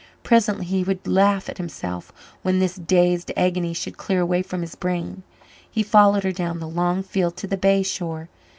Presently he would laugh at himself, when this dazed agony should clear away from his brain. He followed her down the long field to the bay shore.